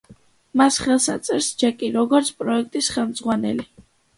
მას ხელს აწერს ჯეკი, როგორც პროექტის ხელმძღვანელი.